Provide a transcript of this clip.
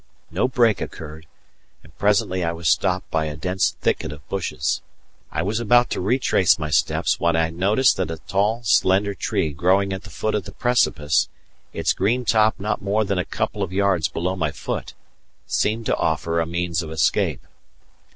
No break occurred, and presently I was stopped by a dense thicket of bushes. I was about to retrace my steps when I noticed that a tall slender tree growing at the foot of the precipice, its green top not more than a couple of yards below my feet, seemed to offer a means of escape.